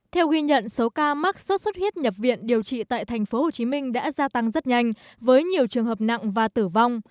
theo ghi nhận số ca mắc xuất xuất huyết nhập viện điều trị tại thành phố hồ chí minh đã gia tăng rất nhanh với nhiều trường hợp nặng và tử vong